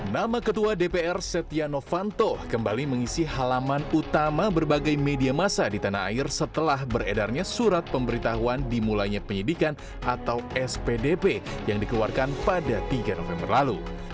nama ketua dpr setia novanto kembali mengisi halaman utama berbagai media masa di tanah air setelah beredarnya surat pemberitahuan dimulainya penyidikan atau spdp yang dikeluarkan pada tiga november lalu